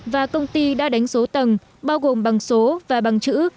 và công ty đã đánh số tầng bao gồm bằng số và bằng chữ